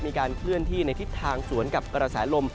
มีการเคลื่อนที่ในทิศทางสวนกับกระแสลม